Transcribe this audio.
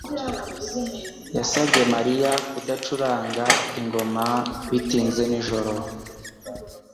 yasabye Mariya kudacuranga ingoma bitinze nijoro.